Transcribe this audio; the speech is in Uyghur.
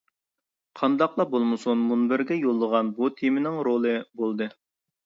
قانداقلا بولمىسۇن مۇنبەرگە يوللىغان بۇ تېمىنىڭ رولى بولدى.